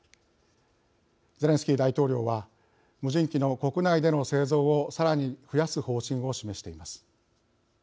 ゼレンスキー大統領は無人機の国内での製造をさらに増やす方針を示しています。